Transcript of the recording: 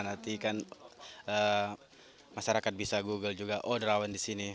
nanti kan masyarakat bisa google juga oh derawan di sini